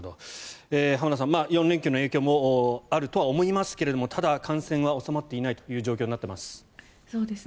浜田さん、４連休の影響もあるとは思いますがただ、感染は収まっていないという状況になっています。